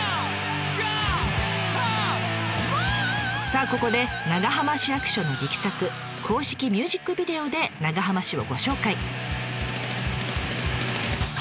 さあここで長浜市役所の力作公式ミュージックビデオで長浜市をご紹介。